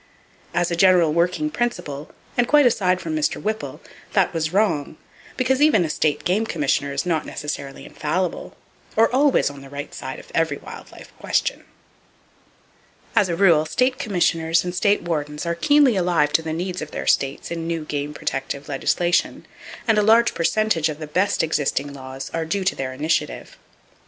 As a general working principle, and quite aside from Mr. Whipple, that was wrong; because even a State game commissioner is not necessarily infallible, or always on the right side of every wild life question. As a rule, state commissioners and state wardens are keenly alive to the needs of their states in new game protective legislation, and a large percentage of the best existing laws are due to their initiative.